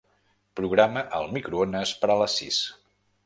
Programa el microones per a les sis.